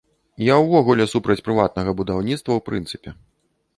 Я ўвогуле супраць прыватнага будаўніцтва ў прынцыпе.